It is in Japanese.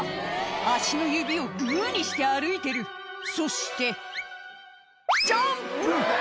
足の指をグにして歩いてるそしてジャンプ！